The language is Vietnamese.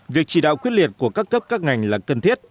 việc chỉ đạo quyết liệt của các cấp các ngành là cần thiết